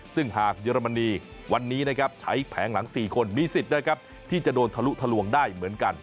ซึ่งหากเยอรมนีวันนี้นะครับใช้แผงหลัง๔คนมีสิทธิ์นะครับที่จะโดนทะลุทะลวงได้เหมือนกัน